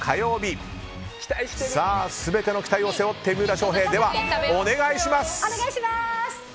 全ての期待を背負って三浦翔平、お願いします。